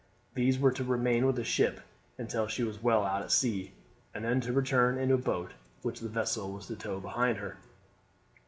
These were to remain with the ship until she was well out at sea, and then to return in a boat which the vessel was to tow behind her.